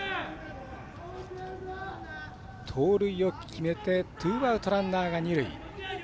盗塁を決めてツーアウト、ランナーが二塁。